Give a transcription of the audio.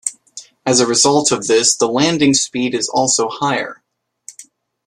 As a result of this the landing speed is also higher.